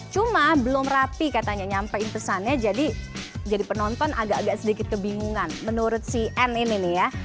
cuma belum rapi katanya nyampein pesannya jadi penonton agak agak sedikit kebingungan menurut si an ini nih ya